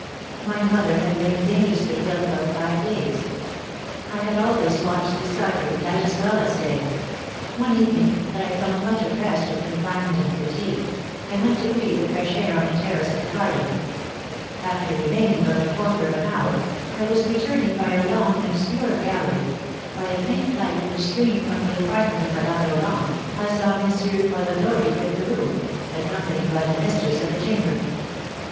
My mother had lain dangerously ill about five days; I had always watched beside her, night as well as day. One evening, that I felt much oppressed with confinement and fatigue, I went to breathe the fresh air on the terrace of the garden: after remaining about a quarter of an hour, I was returning by a long and obscure gallery; by a faint light which streamed from the apartment of Madame Roland I saw M. Polidori quit the room, accompanied by the mistress of the chamber.